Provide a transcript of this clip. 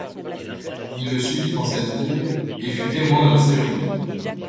Il le suivit en cette ville, et fut témoin de la cérémonie.